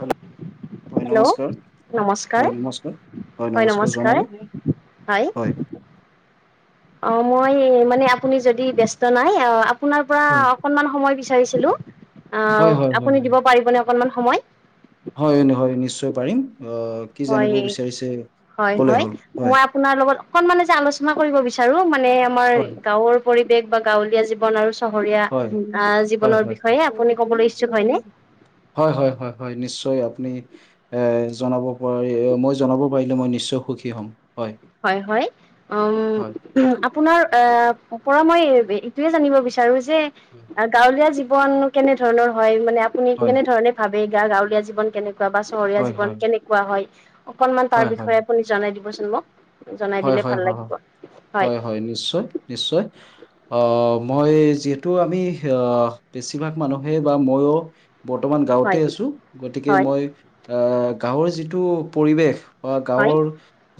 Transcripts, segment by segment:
Hello. হয় hello নমস্কাৰ, নমস্কাৰ হয় নমস্কাৰ, হয় নমস্কাৰ জনালোঁ। হয়। অহ, এই মানে আপুনি যদি ব্যস্ত নাই অহ, আপোনাৰ পৰা হয় অকণমান সময় বিচাৰিছিলোঁ। অহ, হয় হয় আপুনি দিব হয়। পাৰিবনে অকণমান সময়। হয়, হয়, নিশ্চয় পাৰিম। অহ, কি হয় জানিব বিচাৰিছে কলেই হ'ল হয়। তোমাৰ লগত অকমান এনেই আলোচনা কৰিব বিচাৰোঁ মানে আমাৰ হয় গাঁৱৰ পৰিৱেশ বা গাঁৱলীয়া জীৱন আৰু চহৰীয়া হয়, অহ, হয় হয় জীৱনৰ হয়। বিষয়ে আপুনি ক'বলৈ ইচ্ছুক হয়নে? হয়, হয়, হয়, হয়। নিশ্চয় আপুনি এ জনাব পাৰি, মই জনাব পাৰিলে মই নিশ্চয় সুখী হ'ম। হয়, হয়, উম হয়, হয়, আপোনাৰ অহ, পৰা মই এইটোয়ে জানিব বিচাৰো যে গাঁৱলীয়া জীৱন কেনে ধৰণৰ হয়, মানে আপুনি হয়, কেনেধৰণে ভাবে গা-গাঁৱলীয়া জীৱন কেনেকুৱা বা চহৰীয়া হয়, হয়, জীৱন হয়, কেনে কেনেকোৱা হয়, অকনমান তাৰ হয়, বিষয়ে আপুনি জনাই দিবচোন মোক। জনাই দিলে ভাল হয়-হয়-হ, লাগিব হয় হয়-হয়, নিশ্চয়-নিশ্চয়। অহ, মই যিহেতু আমি অহ, বেছিভাগ মানুহে বা মইয়ো বৰ্তমান গাঁৱতে হয় আছো, গতিকে হয় মই অহ, গাঁৱৰ যিটো পৰিৱেশ। বা হয় গাঁৱৰ,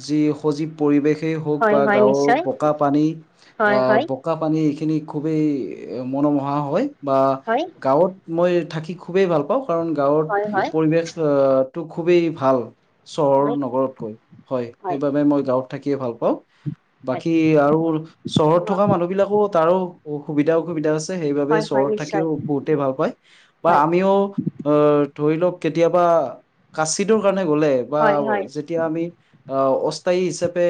যি সজীৱ পৰিৱেশেই হওঁক হয় বা হয় গাঁৱৰ নিশ্চয় বোকা-পানী অহ, হয় হয় ব বোকা পানী এইখিনি খুবেই মনোমোহা হয়, বা হয় গাঁৱত মই থাকি খুবেই ভাল পাওঁ, কাৰণ গাঁৱত হয় হয় হয় পৰিৱেশ অহ, টো খুবেই ভাল। চহৰ নগৰতকৈ, হয় সেইবাবে মই গাঁৱত থাকিয়ে ভাল পাওঁ, হয় বাকী আৰু চহৰত থকা মানুহবিলাকো তাৰো সুবিধা অসুবিধা আছে। সেইবাবে হয় হয় চহৰত নিশ্চয় থাকিও বহুতে ভাল পায়। বা হয় আমিও অহ, ধৰি লওঁক কেতিয়াবা কাচিটোৰ কাৰণে গ'লে বা হয় হয় যেতিয়া আমি অহ, অস্থায়ী হিচাপে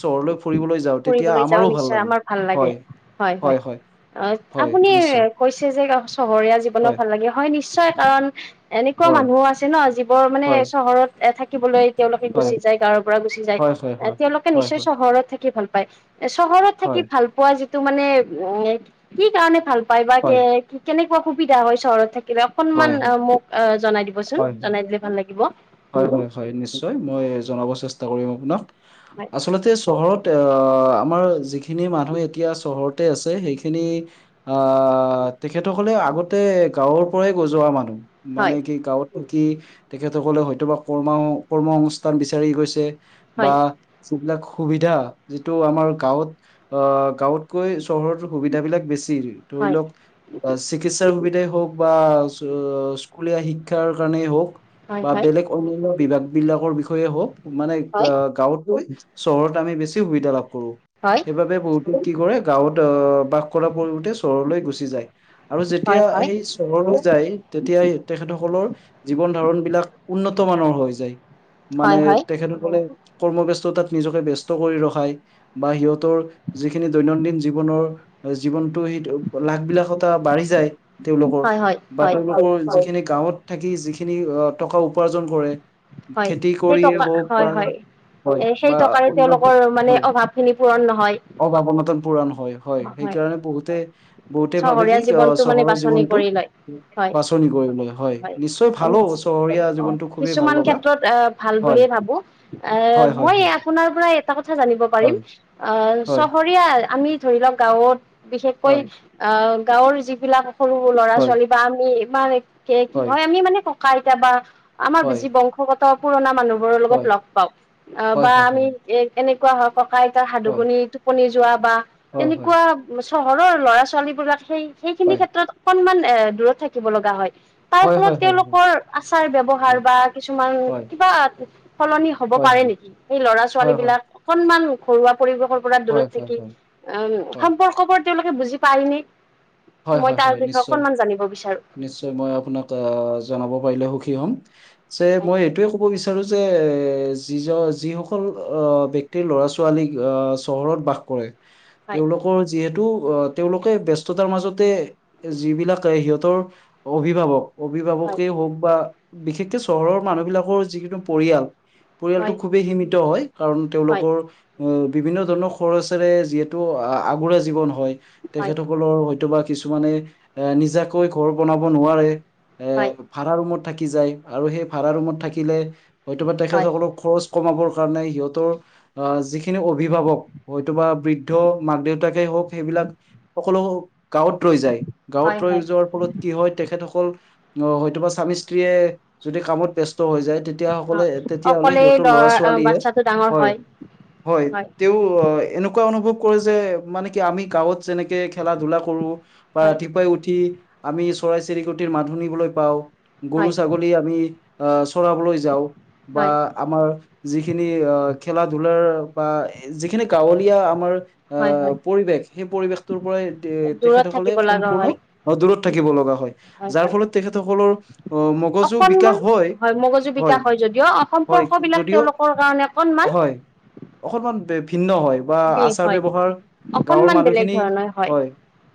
চহৰলৈ ফুৰিবলৈ যাওঁ তেতিয়া ফুৰিবলৈ যাওঁ আমাৰো ভাল নিশ্চয় লাগে আমাৰ ভাল, লাগে হয় হয় হয়-হয়। হয় অহ, হয় আপুনি নিশ্চয় কৈছে যে চহৰীয়া জীৱন হয় ভাল লাগে, হয় নিশ্চয় কাৰণ এনেকুৱা হয় মানুহ আছে ন' যিবোৰ মানে হয় চহৰত এ থাকিবলৈ তেওঁলোকে হয় গুচি যায় গাঁৱৰ পৰা গুচি যায়, হয় হয় হয় এ হয় তেওঁলোকে হয় নিশ্চয় হয় চহৰত থাকি ভাল পায়। এ চহৰত থাকি হয় ভাল পোৱা যিটো মানে উম, কি কাৰণে ভাল পায় বা কে হয় কি কেনেকুৱা সুবিধা হয় চহৰত থাকিলে হয় অকনমান মোক জনাই দিবচোন, জনাই দিলে ভাল লাগিব। হয়, হয়, হয়, নিশ্চয়। মই জনাব চেষ্টা কৰিম আপোনাক। হয় আচলতে চহৰত তে অহ, আমাৰ যিখিনি মানুহ এতিয়া চহৰতে আছে সেইখিনি অহ, তেখেতসকলে আগতে গাঁৱৰ পৰাই গজোৱা মানুহ। মানে হয় কি গাঁৱত কি তেখেতসকলে হয়তো বা কৰ্ম-কৰ্ম সংস্থান বিচাৰি গৈছে, বা হয় যিবিলাক সুবিধা, যিটো আমাৰ গাঁৱত অহ, গাঁৱতকৈ চহৰত সুবিধাবিলাক বেছি। ধৰি লওঁক, হয় চিকিৎসাৰ সুবিধাই হওঁক বা সু-স্কুলীয়া শিক্ষাৰ কাৰণেই হওঁক। বা হয় বেলেগ অন্যান্য বিভাগবিলাকৰ বিষয়ে হওঁক, মানে হয় গা-গাঁৱতকৈ চহৰত আমি বেছি সুবিধা লাভ কৰোঁ। হয়। সেইবাবে বহুতে কি কৰে গাঁৱত অহ, বাস কৰাৰ পৰিৱৰ্তে চহৰলৈ গুচি যায়। আৰু হয় হয় যেতিয়া হয় সেই চহৰলৈ যায়, তেতিয়াই তেখেতসকলৰ জীৱন ধাৰণবিলাক উন্নত মানৰ হৈ যায়। মানে হয় হয় তেখেতসকলে, কৰ্মব্যস্ততাত নিজকে ব্যস্ত কৰি ৰখায়। বা সিহঁতৰ যিখিনি দৈনন্দিন জীৱনৰ, জীৱনতটো সেইটো লাখ বিলাসতা বাঢ়ি যায় তেওঁলোকৰ। হয় হয় বা হয় তেওঁলোকৰ যিখিনি গাঁৱত থাকি যিখিনি টকা উপাৰ্জন কৰে। হয় খেতি সেই কৰিয়ে টকা হওক হয় হয় বা হয় এ, সেই বা টকাৰে অন্য তেওঁলোকৰ মানে হয় অভাৱ খিনি পূৰণ নহয়। অভাৱ অনাতন পুৰাণ হয়, হয় সেইকাৰণে বহুতে বহুতে ভাবে চহৰীয়া কি ক, জীৱনটো মানে চহৰৰ বাছনি জীৱনটো কৰি লয় হয় বাছনি কৰিলে হয়, নিশ্চয় হয় ভালো চহৰীয়া জীৱনটো খুবেই কিছুমান ভাল লগা। ক্ষেত্ৰত আহ ভাল হয় বুলিয়ে ভাবো, এ হয় হয় মই হয় ইয়াত আপোনাৰ পৰা এটা কথা জানিব পাৰিম, হয় আ হয় চহৰীয়া আমি ধৰি লওক গাঁৱত বিশেষকৈ আ, গাঁৱৰ যিবিলাক সৰু-সৰু ল'ৰা হয় ছোৱালী বা আমি ইমান কে কি হয় আমি মানে ককা আইতা বা আমাৰ হয় হয় বেছি বং শগত পুৰণা মানুহবোৰৰ লগত হয় লগ পাওঁ। অ, হয় হয় বা হয় হয় আমি এ-এনেকুৱা হওক ককা আইতাৰ সাধু হয় শুনি টোপনি যোৱা বা হয় হয় হয় তেনেকুৱা চহৰৰ ল'ৰা ছোৱালী বিলাক সেই সেইখিনি ক্ষেত্ৰত অকনমান এ, দূৰত থাকিব লগা হয়। তাৰ হয় হয় ফলত হয় তেওঁলোকৰ আচাৰ ব্য্য়ৱহাৰ হয় বা কিছুমান হয় কিবা সলনি হব হয় পাৰে নেকি স ল'ৰা হয় ছোৱালী হয় বিলাক সন্মান ঘৰুৱা পৰিৱেশৰ পৰা হয় দূৰত হয় থাকি হয় আহ হয় সম্পৰ্কবোৰ তেওঁলোকে বুজি পাৰ ন হয় হয় মই হয় তাৰ বিষয়ে নিশ্চয় অকনমান জানিব বিচাৰো নিশ্চয় মই আপোনাক আহ জনাব পাৰিলে সুখী হ'ম যে হয় মই এইটোয়ে ক'ব বিচাৰো যে এ যিজন যিসকল ব্যক্তিৰ ল'ৰা ছোৱালীক চহৰত বাস কৰে হয় তেওঁলোকৰ যিহেতু আহ তেওঁলোকে ব্যস্ততাৰ মাজতে যিবিলাক সিহঁতৰ অভিভাৱক হয় অভিভাৱকেই হওক বা বিশেষকে চহৰৰ মানুহ বিিলাকৰ যিকেইো পৰিয়াল পৰিয়ালটো হয় খুবেই সীমিত হয় কাৰণ হয় তেওঁলোকৰ অ বিভিন্ন ধৰণৰ খৰচেৰে যিহেতু আগোৰা জীৱন হয় হয় তেখেতসকলৰ হয়তোব কিছুমানে এ নিজাকৈ ঘৰ বনাব নোৱাৰে এ হয় ভাড়া ৰুমত থাকি যায় আৰু সেই ভাড়া ৰুমত থাকিলে হয়তোবা হয় তেখেতসকলক খৰচ কমাবৰ কাৰণে সিহঁতৰ আহ যিখিনি অভিভাৱক হয়তোবা বৃদ্ধ মাক দেউতাকেই হওক সেইবিলাক সকলো গাঁৱত ৰৈ যায় গাঁৱত হয় ৰৈ হয় যোৱাৰ ফলত কি হয় তেখেতসকল আহ হয়তোবা স্বামী স্ত্ৰীয়ে যদি কামত ব্যস্ত হৈ যায় তেয়া তেতিয়া সকলে অ তেতিয়াাহ'লে অকলেই সিহঁতৰ লৰা ছোৱালীয়েে বাচ্ছাটো ডাঙৰ হয় হয় তেওঁ এনেকুৱা অনুভৱ কৰে যে মানে কি আমি গাঁৱত যেনেকে খেলা ধূলা কৰো বা হয় ৰাতিপুৱাই উঠি আমি চৰাই চিৰিকটিৰ মান শুনিবলৈ পাওঁ গৰু হয় ছাগলী আমি চৰাবলৈ যাওঁ বা হয় আমাৰ যিখিনি আহ খেলা ধূলাৰ বা যিখিনি গাঁৱলীয়া আমাৰ হয় আহ হয় পৰিৱেশ সেই পৰিৱেশটোৰ পৰাই দূৰত তেখেতসকলে থাকিব লগা সম্পূৰ্ণ হয় দূৰত থাকিব লগা হয় যাৰ ফলত তেখেতসকলৰ অ মগজু বিকাশ অকনমান হয় মগজু বিকাা হয় যদিও হয় সম্পৰ্ক বিলাক যদিও তেওঁলোকৰ কাৰণে অনন মান হয় অকনমান ভিন্ন হয় বা বি আচাৰ হয় ব্য্ৱহাৰ গাঁৱৰ অকনমান বেলেগ মানুহখিনি ধৰণৰ হয়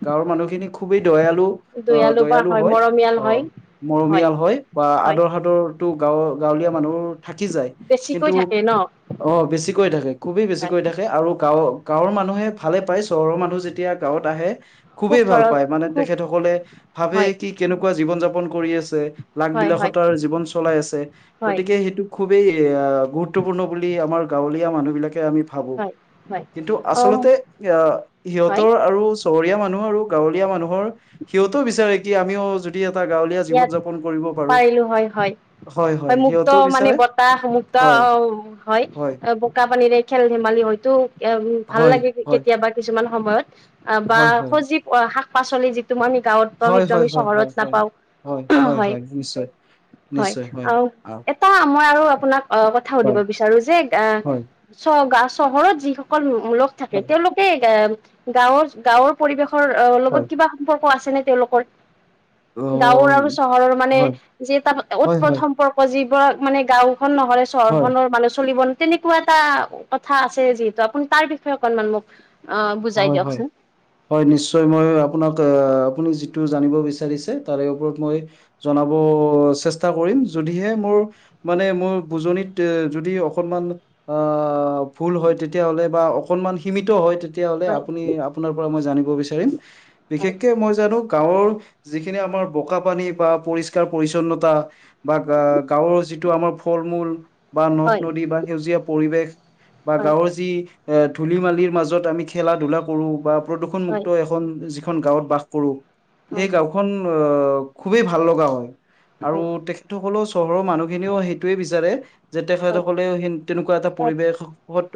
গাঁৱৰ মানুহখিনি খুবেই দয়ালু আহ বা দয়ালু হয় মৰমীয়াল অ হয় মৰমীয়াল হয় বা হয় আদৰ সাদৰো গাঁৱৰ গাঁৱলীয়া মানুহ থাকি যায় বেছিকৈ কিন্তু থাকে ন অ বেছিকৈ থাকে খুবেই হয় বেছিকৈ থাকে আৰু গাঁৱৰ গাঁৱৰ মানুহে ভালে পায় চহৰৰ মানুহ যেতিয়া গাঁৱত আহে খুব খুবেই ভাল ধৰক পায় মানে খুব তেখেতসকলে ভাবে হয় কি কেনেকুৱা জীৱন যাপন কৰি আছে লাখ হয় হয় বিলাসতাৰ জীৱন চলাই আছে হয় গতিকে সেইটোোক খুবেই গুৰুত্বপূৰ্ণ বুলি আমাৰ গাঁৱলীয়া মানুহ বিলাকে আমি ভাবো হয় হয় কিন্তু অ আচলতে আহ হয় সিহঁতৰ আৰু চহৰীয়া মানুহ আৰু, গৱলীয়া মানুহৰ সিহঁতও বিচাৰে কি আমিও প্ৰতি এটা গাঁৱলীয়া জীৱন ইয়াত যাপন কৰিব পাৰোঁ পাৰিলো হয় হয় হয়, মুক্ত মানে বতাহ, মুক্ত হয় অ', হয় বোকা পানীৰে খেল ধেমালি হয় তো ভাল হয় লাগে হয় কেতিয়াবা কিছুমান সময়ত, অ', বা হয় হয় সজি শাক পাচলি যিটো আমি গাঁৱত বা হয়, সেইটো হয়, আমি হয়, হয়, চহৰত হয়, নাপাওঁ হয়, হয়, হয়, নিশ্চয় হয়, নিশ্চয়, আৰু আহ, এটা মই আৰু আপোনাক আহ কথা হয়, সুধিব বিচাৰো যে আহ হয়, চহৰত যিসকল লোক থাকে হয়, তেওঁলোকে গাঁৱৰ গাঁৱৰ পৰিৱেশৰ অ', হয়, লগত কিবা সম্পৰ্ক আছে নে তেওঁলোকৰ গাঁৱৰ আৰু অ', চহৰৰ মানে, হয়, যি তটা হয়, উৎপট হয়, সম্পৰ্ক যিবোৰাক মানে গাঁওখন নহৰে হয়, চহৰখনৰ মানুহ চলিব ন, তেনেকুৱা এটা কথা আছে যিহেতু আপুনি তাৰ বিষয়ে অকনমান মোক অ বুজাই হয়, হয়। দিয়কচোন হয়, নিশ্চয় মই আপোনাক আপুনি যিটো জানিব বিচাৰিছে তাৰে ওপৰত মই জনাব চেষ্টা কৰিম, যদিহে মোৰ মানে, মোৰ বুজনিত এ যদি অকনমান আহ ভুল হয়, তেতিয়াাহলে বা অকনমান সীমিত হয় তেতিয়াাহলে হয় আপুনি আপোনাৰ পৰা মই জানিব বিচাৰিম, হয় বিশেষকে মই জানো গাঁৱৰ যিখিনি আমাৰ বোকা পানী, বা পৰিষ্কাৰ পৰি্ছন্নতা বা গাঁৱৰ যিটো আমাৰ ফল-মূল বা নদ হয় নদী বা সেউজীয়া পৰিৱেশ বা হয় গাঁৱৰ যি এ ধূলি মালিৰ মাজত আমি খেলা ধূলা কৰো বা হয় প্ৰদূষণমুক্ত এখন যিখন গাঁৱত, বাস কৰোঁ সেই হয় গাঁওখন আহ খুবেই ভাল লগা হয়, আৰু তেখেতসকলৰ চহৰৰ মানুহখিনিও সেইটোৱে বিচাৰে যে, হয় তেখেতসকলে স তেনেকুৱা এটা হয় পৰিৱেশত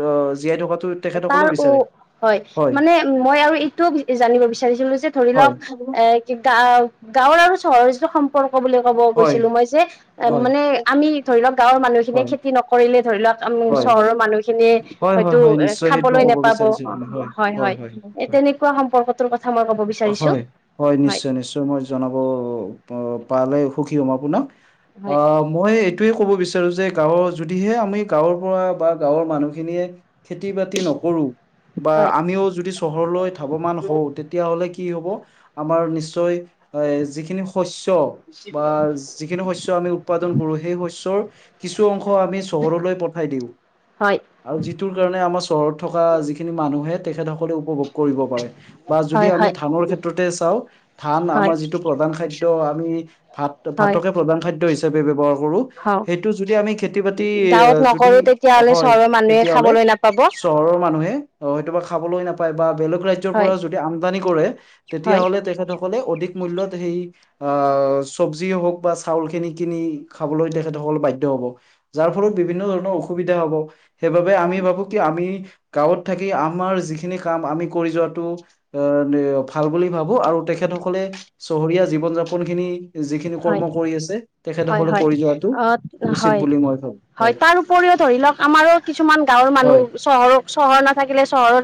অ জীয়াই থকাাতো তাৰ তেখেতসকলেও উ বিচাৰে হয়, মানে মই আৰু এইটোও জানিব বিচাৰিছিলো যে ধৰি লওক হয় এ গগাঁৱৰ আৰু চহৰৰ যিটো সম্পৰ্ক বুলি ক'ব হয় গৈছিলো, মই যে হয় মানে আমি ধৰি লওক, গাঁৱৰ মানুহখিনিয়ে হয় খেতি নকৰিলে ধৰি লওক হয়, চহৰৰ মানুহখিনিয়ে হয়, হয়, হয়তো হয়, এ নিশ্চয় সেইটো খাবলৈ ক'ব নোপাব, বিচাৰিছো অ', আপুনি হয় হয় এ হয়। তেনেকুৱা সম্পৰ্কটোৰ কথা মই কব বিচাৰো হয়, হয়, নিশ্চয়, নিশ্চয়, মই জনাব পালে সুখী হম আপোনাক হয় অ', মই এইটোয়ে ক'ব বিচাৰো যে, গাঁৱৰ যদিহে আমি গাঁৱৰ পৰা বা গাঁৱৰ মানুহখিনিয়ে খেতি বাতি নকৰো, বা হয় আমিও যদি চহৰলৈ ধাৱমান হওঁ তেতিয়াাহলে কি হব আমাৰ নিশ্চয় এ যিখিনি শস্য বা যিখিনি শস্য আমি উৎপাদন কৰো, সেই শস্য কিছু অংশ আমি চহৰলৈ পঠাই দিও হয়, আৰু যিটোৰ কাৰণে, আমাৰ চহৰত থকা যিখিনি মানুহে তেখেতসকলে উপভোগ কৰিব পাৰে বা যদি হয় আমি হয় ধানৰ ক্ষেত্ৰতে চাওঁ, ধান হয় আমাৰ যিটো প্ৰধান খাদ্য আমি ভাত, হয় ভাতকে প্ৰধান খাদ্য হিচাপে ব্যৱহাৰ কৰোঁ হয় সেইটো যদি আমি খেতি বাতি গাঁৱত যদি নকৰো তেতিয়াহ'লে হয়, চহৰৰ মানুহে তেতিয়াাহলে খাবলৈ নাপাব চহৰৰ মানুহে অ', খাবলৈ নাপায় বা বেলেগ ৰাজ্যৰ হয় পৰাও যদি আমদানি কৰে হয় তেতিয়াহ'লে তেখেত সকলে অধিক মুল্য হেৰি আ সৱজি হওক বা চাউল খিনি কিনি খাবলৈ তেখেতসকল বাধ্য হ'ব যাৰ ফলত বিভিন্ন ধৰণৰ অসুবিধা হব সেইবাবে আমি ভাবো কি, আমি গাঁৱত থাকি আমাৰ যিখিনি কাম আমি কৰি যোৱাটো এ ভাল বুলি ভাবো, আৰু তেখেতসকলে চহৰীয়া জীৱন-যাপন খিনি যিখিনি হয় কৰ্ম কৰি আছে, হয় তেখেতসকলে হয় কৰি যোৱাটো অ উচিত হয় বুলি মই ভাবো হয়, তাৰ উপৰিও ধৰি লওক আমাৰো কিছুমান গাঁৱৰ মানুহ হয়, চহৰৰ চহৰ নাথাকিলে, চহৰৰ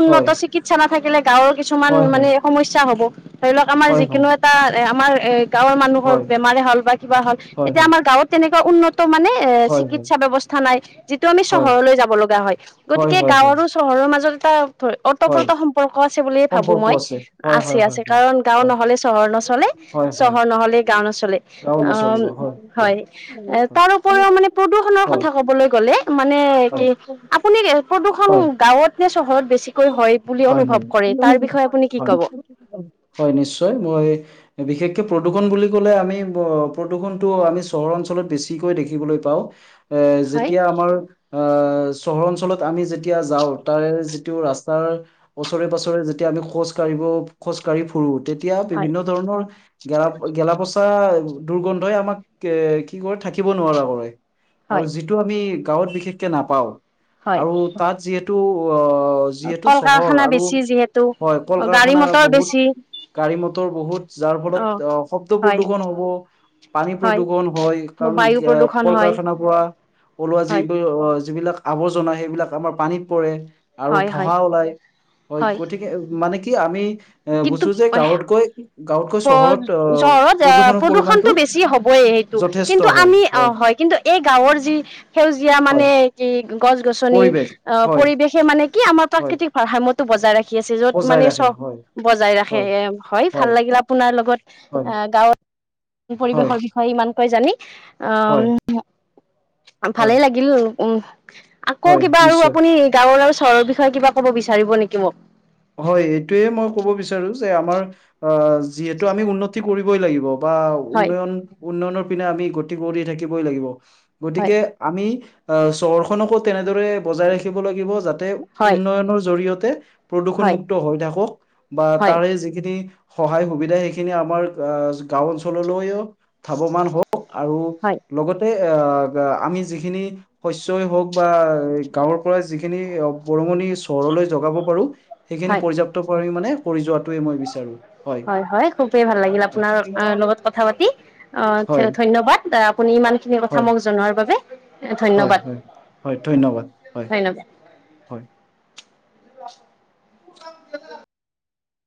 উন্নত হয়, চিকিৎসা নাথাকিলে গাঁৱৰ কিছুমান হয়, হয়, মানে সমস্যা হব, ধৰি লওক আমাৰ হয়, হয়, যিিকোনো এটা এ আমাৰ এ গাঁৱৰ মানুহৰ হয়, বেমাৰে হল, বা কিবা হল, হয়, তেতিয়া হয়, আমাৰ গাঁৱত তেনেকুৱা উন্নত মানে এ হয়, হয়, চিকিৎসা ব্যয়ৱস্থা নাই যিটো আমি হয়, চহৰলৈ যাব লগা হয় হয়, গতিকে হয়, হয়, গাঁৱৰ চহৰৰ মাজত এটা ধ হয় অতঃপ্ৰত সম্পৰ্ক আছে বুলিয়ে ভাবো সম্পৰ্ক মই আছে। হয়, আছে হয়, হয়, আছে হয়, কাৰণ গাঁও হয়, নহলে চহৰ নচলে হয়, হয়, চহৰ নহলে গাঁও অঞ্চলে অ হয় এ হয়, তাৰ উপৰিও মানে প্ৰদূৰষণৰ হয়, কথা কবলৈ গ'লে মানে কি আপুনি প্ৰদূষণ হয় গাঁৱত নে চহৰত বেছিকৈ হয় বুলি অনুভৱ কৰে তাৰ বিষয়ে আপুনি কি হয়। ক'ব হয় নিশ্চয় মই বিশেষকে প্ৰদূৰণ বুলি কলে আমি প্ৰদূৰণটো আমি চহৰ অঞ্চলত বেছিকৈ দেখিবলৈ পাওঁ এ হয়। যেতিয়া আমাৰ আহ চহৰ অঞ্চলত আমি যেতিয়া যাওঁ তাৰে টো ৰাস্তাৰ ওচৰে পাছৰে যেতিয়া আমি খোজ কঢ়িব খোজ কঢ়ি ফুৰো তেতিয়া হয় বিভিন্ন ধৰণৰ গেল গেলাপ দুৰ্গন্ধই আমাক এ কি কৰে থাকিব নোৱাৰা কৰে আৰু হয় যি গ বিশ হয় ন যি যিহেতু কল চহৰ কাৰখানা আৰু বেছি যিহেতু হয় কল গাড়ী কাৰখানা মটৰ বহুত বেছি গাড়ী মটৰ বহুত যাৰ ফলত অ শব্দ হয় প্ৰদূ্ষন হ'ব পানী হয় প্ৰদূৰষণ হয় কাৰণ বায়ু প্ৰদূষণ কল হয়। কাৰখানাৰ পৰা ওলোৱা হয় যিবোৰ অ যিবিলাক আৱৰ্জনা সেইবিলাক আমাৰ পানীত পৰে আৰু হয় হয় ধঢহা ওলাই হয় কঠিন মানে কি আমি এ কিন্তু বুজো যে প গাঁৱতকৈ গাঁৱতকৈ চহৰত আহ চহৰত আহ প্ৰদূষণৰ পৰিমাণটো প্ৰদূষণতটো বেছি হবই যথেষ্ট কিন্তু হয় আমি অ হয় কিন্তু এই গাঁৱৰ যি সেউজীয়া হয় মানে গছ গছনি পৰিৱেশ আহ হয় পৰিৱেশে মানে কি আমাৰ হয় প্ৰাকৃতিক ভাৰসাম্্য টো বজাই ৰাখি আছে য'ত বজাই মানে ৰাখে চ হয় বজাই ৰাখে হয় এ হয় ভাল লাগিল আপোনাৰ লগত হয় এ গাঁৱত পৰিৱেশৰ বিষয় হয় ইমানকৈ জানি হয় উ হয় ভালেই লাগিল উ আকৌ হয় কিবা আৰু নিশ্চয় আপুনি গাঁৱৰ আৰু চহৰৰ বিষয়ে কিবা ক'ব বিচাৰিব নেকি মোক হয় এইটোয়ে মই কব বিচাৰো যে আমাৰ অ যিহেতু আমি উন্নতি কৰিবই লাগিব বা হয় উন্নয়ন উন্নয়নৰ পিনে আমি গতি কৰি থাকিবই লাগিব হয় গতিকে আমি আহ চহৰখননকো তেনেদৰে বজাই ৰাখিব লাগিব যাতে াতে হয় উন্নয়নৰ জৰিয়তে প্ৰদূষণ হয় মুুক্ত হৈ থাকক বা হয় তাৰে যিখিনি সহায় সুবিধা সেইখিনি আমাৰ গাঁও অঞ্চললৈো ধাৱমান হওক আৰু হয় লগতে আহ আমি যিখিনি শস্ই হওক বা গাঁৱৰ পৰা যিখিনি বৰঙণি চহৰলৈ জগাব পাৰো সেইখিনি হয় পৰ্যাপ্ত পৰিম মানে কৰি যোৱাটোোৱে মই বিচাৰো হয় হয় খুবেই ভাল লাগিল আপোনাৰ লগত কথা পাতি আহ হয় ধন্যবাদ আপুনি ইমান খিনি কথা হয় মোক জনোৱাৰ বাবে হয় হয় ধন্যবাদ হয় হয় ধন্যবাদ হয় হয়ন্যবাদ হয়